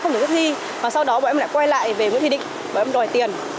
không tổ chức thi và sau đó bọn em lại quay lại về nguyễn thi định bọn em đòi tiền